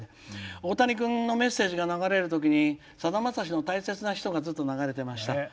大谷君のメッセージが流れるときにさだまさしの「たいせつなひと」がずっと流れていました。